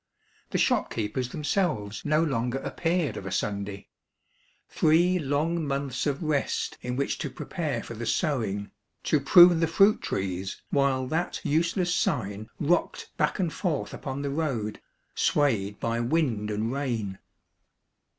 The shopkeepers themselves no longer appeared of a Sunday. Three long months of rest in which to prepare for the sowing, to prune the fruit trees while that useless sign rocked back and forth upon the road, swayed by wind and rain.